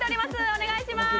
お願いします